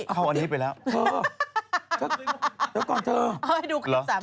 เขาก็ต้องเดี๋ยวก่อนเธอ